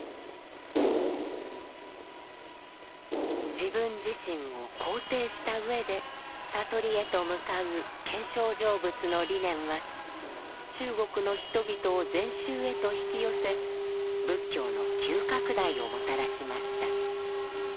自分自身を肯定したうえで悟りへと向かう見性成仏の理念は中国の人々を禅宗へと引き寄せ仏教の急拡大をもたらしました。